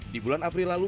di bulan april lalu